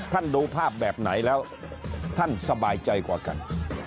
ดูภาพแบบไหนแล้วท่านสบายใจกว่ากัน